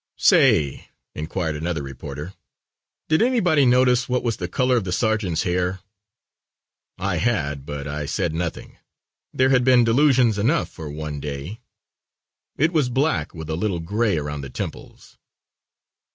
"Say," inquired another reporter, "did anybody notice what was the color of the sergeant's hair?" I had, but I said nothing. There had been disillusion enough for one day. It was black with a little gray around the temples.